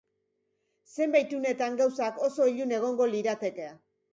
Zenbait unetan gauzak oso ilun egongo lirateke.